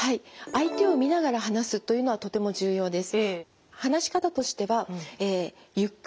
相手を見ながら話すというのはとても重要です。